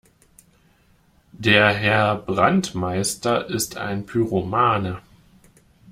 Der Herr Brandmeister ist ein Pyromane.